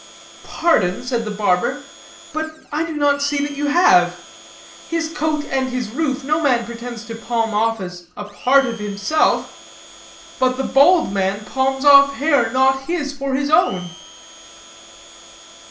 "Pardon," said the barber, "but I do not see that you have. His coat and his roof no man pretends to palm off as a part of himself, but the bald man palms off hair, not his, for his own."